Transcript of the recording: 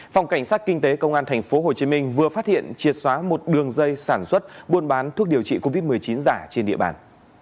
phòng cảnh sát kinh tế công an tp hcm vừa phát hiện triệt xóa một đường dây sản xuất buôn bán thuốc điều trị covid một mươi chín giả trên địa bàn